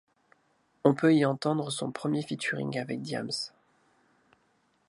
On peut y entendre son premier featuring avec Diam's.